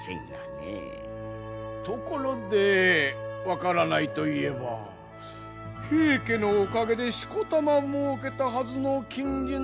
ところで分からないといえば平家のおかげでしこたまもうけたはずの金銀財宝